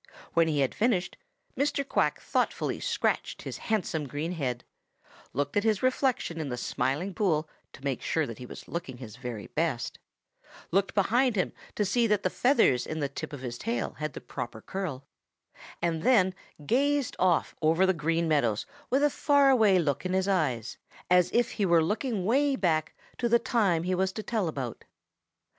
When he had finished Mr. Quack thoughtfully scratched his handsome green head, looked at his reflection in the Smiling Pool to make sure that he was looking his very best, looked behind to see that the feathers in the tip of his tail had the proper curl, and then gazed off over the Green Meadows with a far away look in his eyes as if he were looking way back to the time he was to tell about.